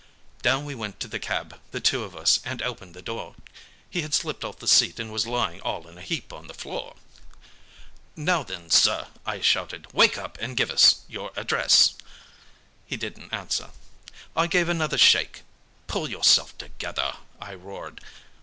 "Down we went to the cab, the two of us, and opened the door. He had slipped off the seat and was lying all in a heap on the floor. "'Now, then, sir,' I shouted. 'Wake up and give us your address.' "He didn't answer. "I gave another shake. 'Pull yourself together,' I roared.